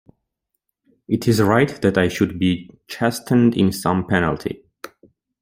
It is right that I should be chastened in some penalty.